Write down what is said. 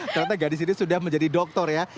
ternyata gadis ini sudah menjadi doktor ya